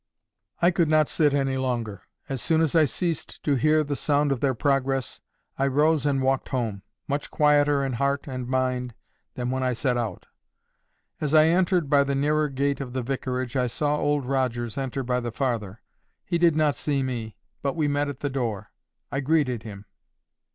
I could not sit any longer. As soon as I ceased to hear the sound of their progress, I rose and walked home—much quieter in heart and mind than when I set out. As I entered by the nearer gate of the vicarage, I saw Old Rogers enter by the farther. He did not see me, but we met at the door. I greeted him.